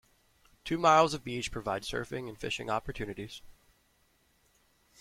Two miles of beach provide surfing and fishing opportunities.